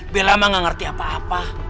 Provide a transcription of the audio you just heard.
bela mah gak ngerti apa apa